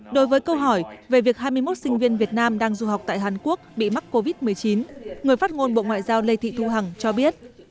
đối với câu hỏi về việc hai mươi một sinh viên việt nam đang du học tại hàn quốc bị mắc covid một mươi chín người phát ngôn bộ ngoại giao lê thị thu hằng cho biết